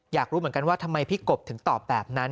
อยากรู้เหมือนกันว่าทำไมพี่กบถึงตอบแบบนั้น